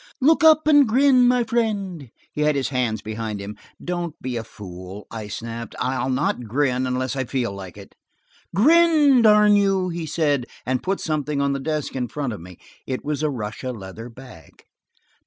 "Look up and grin, my friend." He had his hands behind him. "Don't be a fool," I snapped. "I'll not grin unless I feel like it." "Grin, darn you," he said, and put something on the desk in front of me. It was a Russia leather bag.